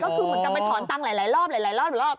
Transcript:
ก็คือมันกำลังไปถอนตั้งหลายรอบหลายรอบ